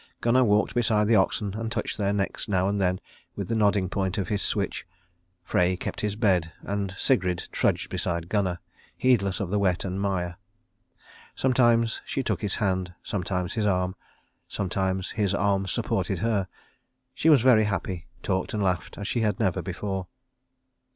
Gunnar walked beside the oxen and touched their necks now and then with the nodding point of his switch; Frey kept his bed, and Sigrid trudged beside Gunnar, heedless of the wet and mire. Sometimes she took his hand, sometimes his arm; sometimes his arm supported her. She was very happy, talked and laughed as she had never before.